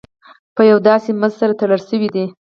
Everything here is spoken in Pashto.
په یو داسې مزي سره تړل شوي دي.